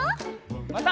また。